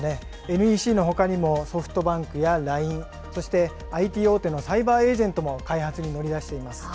ＮＥＣのほかにもソフトバンクやＬＩＮＥ、そしてＩＴ大手のサイバーエージェントも開発に乗り出しています。